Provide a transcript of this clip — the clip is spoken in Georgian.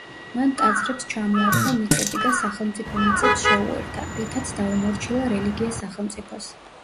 მან ტაძრებს ჩამოართვა მიწები და სახელმწიფო მიწებს შეუერთა, რითაც დაუმორჩილა რელიგია სახელმწიფოს.